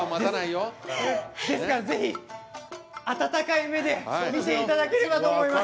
ですからぜひ温かい目で見ていただければと思います。